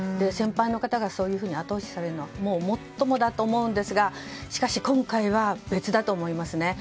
先輩の選手がそういうふうに後押しされるのはもっともだと思うんですがしかし、今回は別だと思います。